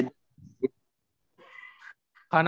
pergi satu kan terus ganti